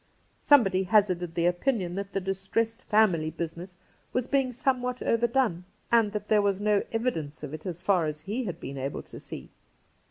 Somebody hazarded the opinion that the ' distressed family ' business was being somewhat overdone, and that there was no evidence of it as far as he had been able to see.